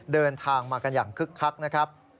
เดินทางมากันอย่างคึกคักนะครับ